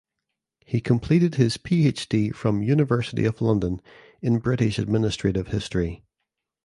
He completed his PhD from University of London in British Administrative History.